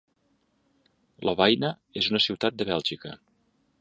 Lovaina és una ciutat de Bèlgica.